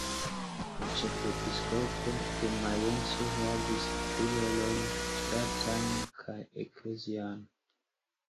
La ĉefepiskopo de Majenco havis du rolojn: ŝtatan kaj eklezian.